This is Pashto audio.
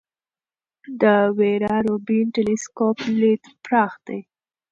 د ویرا روبین ټیلسکوپ لید پراخ دی.